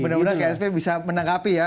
benar benar ksp bisa menangkapi ya